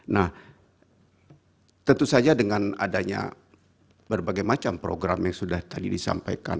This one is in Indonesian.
nah tentu saja dengan adanya berbagai macam program yang sudah tadi disampaikan